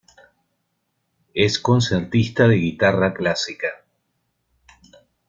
Es concertista de guitarra clásica.